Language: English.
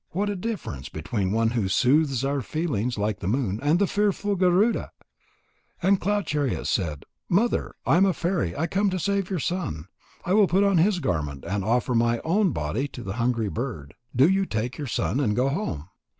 What a difference between one who soothes our feelings like the moon, and the fearful Garuda." And Cloud chariot said: "Mother, I am a fairy, come to save your son. I will put on his garment and offer my own body to the hungry bird. Do you take your son and go home."